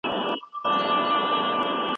هغه غواړي چي خپله مقاله چاپ کړي.